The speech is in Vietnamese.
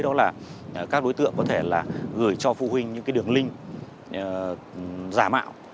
đó là các đối tượng có thể gửi cho phụ huynh những đường link giả mạo